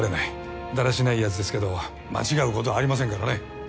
だらしないやつですけど間違うことはありませんからね。